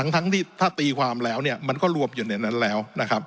ทั้งที่ถ้าตีความแล้วมันก็รวมอยู่ในนั้นแล้ว